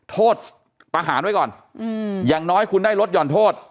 โทษประหารไว้ก่อนอย่างน้อยคุณได้ลดหย่อนโทษ